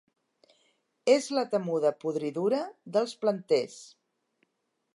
És la temuda podridura dels planters.